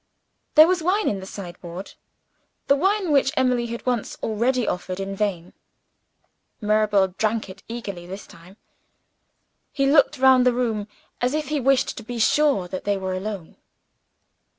There was wine in the sideboard the wine which Emily had once already offered in vain. Mirabel drank it eagerly, this time. He looked round the room, as if he wished to be sure that they were alone.